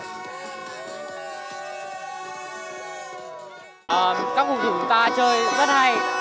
các vận động viên của chúng ta chơi rất hay